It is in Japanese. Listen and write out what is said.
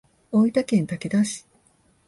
大分県竹田市